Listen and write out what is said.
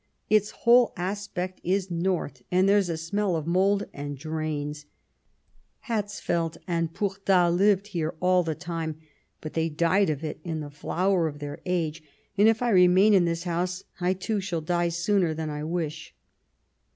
Its whole aspect is north, and there's a smell of mould and drains. ... Hatzfeld and Pourtales lived here all the time ; but they died of it in the flower of their age, and if I remain in this house, I, too, shall die sooner than I wish."